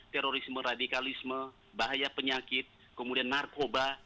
terorisme radikalisme bahaya penyakit kemudian narkoba